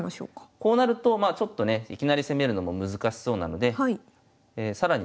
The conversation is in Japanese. こうなるとまあちょっとねいきなり攻めるのも難しそうなので更に